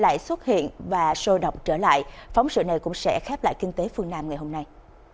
lại xuất hiện và sôi động trở lại phóng sự này cũng sẽ khép lại kinh tế phương nam ngày hôm nay